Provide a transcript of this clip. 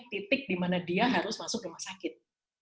titik di mana dia harus masuk rumah sakit